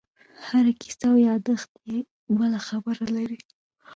هره کیسه او یادښت یې بله خبره لري.